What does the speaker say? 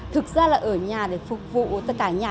thực ra là ở nhà để phục vụ tất cả nhà